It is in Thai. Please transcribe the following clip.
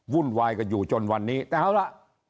วุ่นวายกันอยู่จนวันนี้แต่เอาล่ะ